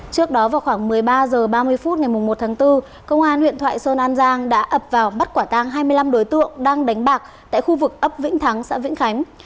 trước đó vào khoảng một mươi ba h ba mươi phút ngày một tháng bốn công an huyện thoại sơn an giang đã ập vào bắt quả tang hai mươi năm đối tượng đang đánh bạc tại khu vực ấp vĩnh thắng xã vĩnh khánh